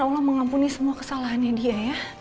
allah mengampuni semua kesalahannya dia ya